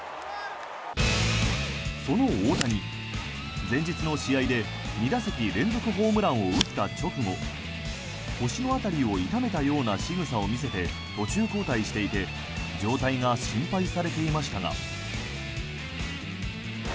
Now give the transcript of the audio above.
その大谷、前日の試合で２打席連続ホームランを打った直後腰の辺りを痛めたようなしぐさを見せて途中交代していて状態が心配されていましたが。